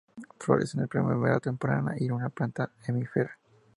Florece en la primavera temprana y es una planta efímera.